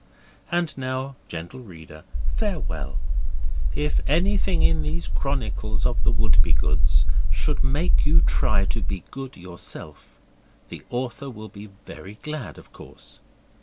And now, gentle reader, farewell. If anything in these chronicles of the Wouldbegoods should make you try to be good yourself, the author will be very glad, of course.